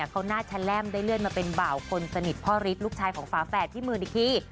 เขาหน้าแชล่มได้เลื่อนมาเป็นบ่าวคนสนิทพ่อฤทธิ์ลูกชายของฝาแฝดพี่หมื่นอีกที